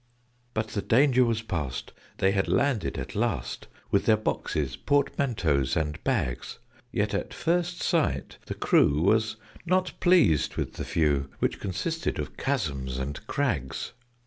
But the danger was past they had landed at last, With their boxes, portmanteaus, and bags: Yet at first sight the crew were not pleased with the view Which consisted of chasms and crags.